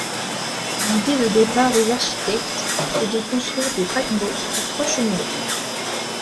L'idée de départ des architectes est de construire des paquebots à trois cheminées.